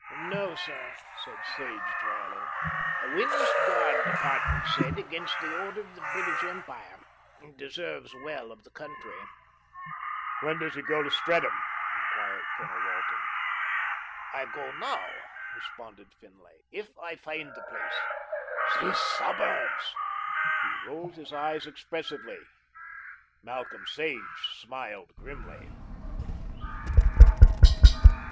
"No, sir," said Sage drily, "we must guard Department Z. against the Order of the British Empire; it deserves well of the country. "When does he go to Streatham?" enquired Colonel Walton. "I go now," responded Finlay, "if I find the place. These suburbs!" He rolled his eyes expressively. Malcolm Sage smiled grimly.